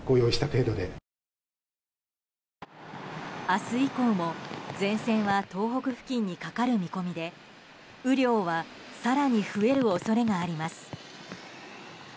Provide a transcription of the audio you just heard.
明日以降も前線は東北付近にかかる見込みで雨量は更に増える恐れがあります。